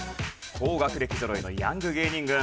高学歴ぞろいのヤング芸人軍